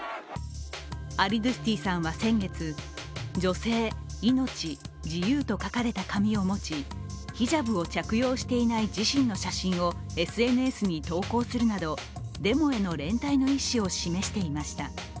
アリドゥスティさんは先月、女性、命、自由と書かれた紙を持ち、ヒジャブを着用していない自身の写真をＳＮＳに投稿するなどデモへの連帯の意思を示していました。